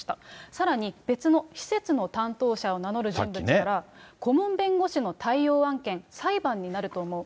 さらに、別の施設の担当者を名乗る人物から、顧問弁護士の対応案件、裁判になると思う。